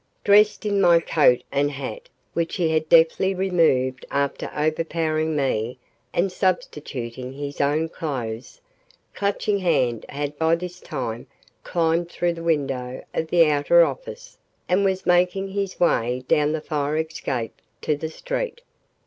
Dressed in my coat and hat, which he had deftly removed after overpowering me and substituting his own clothes, Clutching Hand had by this time climbed through the window of the outer office and was making his way down the fire escape to the street.